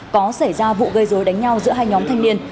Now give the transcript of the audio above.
có xảy ra vụ gây dối đánh nhau giữa hai nhóm thanh niên